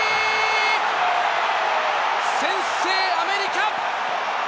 先制、アメリカ！